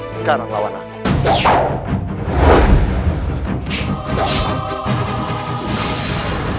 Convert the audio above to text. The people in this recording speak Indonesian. sekarang lawan aku